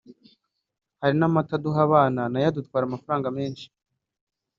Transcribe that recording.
Hari n’amata duha abana nayo adutwara amafaranga menshi